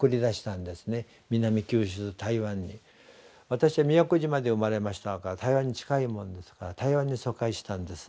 私は宮古島で生まれましたから台湾に近いもんですから台湾に疎開したんです。